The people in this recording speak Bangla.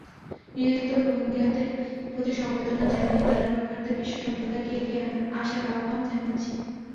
নির্যাতিত রোহিঙ্গাদের প্রতি সমবেদনা জানিয়ে তাদের রক্ষার্থে বিশ্বসম্প্রদায়কে এগিয়ে আসার আহ্বান জানাচ্ছি।